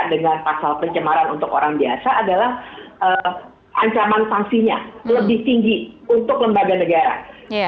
dengan pasal pencemaran untuk orang biasa adalah ancaman sanksinya lebih tinggi untuk lembaga negara